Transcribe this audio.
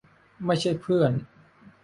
ไม่ใช่เพื่อน